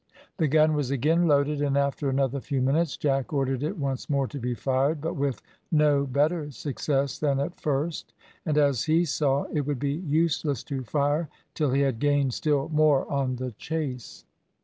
The gun was again loaded, and after another few minutes Jack ordered it once more to be fired, but with no better success than at first, and, as he saw, it would be useless to fire till he had gained still more on the chase.